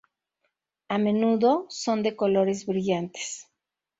A menudo son de colores brillantes.